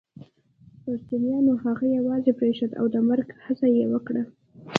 پرچمیانو هغه يوازې پرېښود او د مرګ هڅه يې وکړه